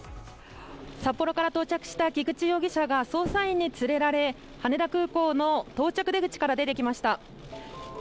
札幌から到着した菊池容疑者が捜査員に連れられ羽田空港の到着出口から出てきました。